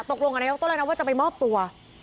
ตกลงกับนายกต้นเลยนะว่าจะไปมอบตัว